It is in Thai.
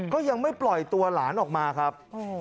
ก็ยังไม่ปล่อยตัวหลานออกมาครับ